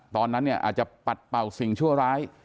ตอนนั้นเนี่ยอาจจะปัดเป่าสิ่งชั่วร้าย